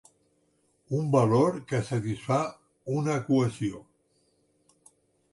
Un valor que satisfà una equació.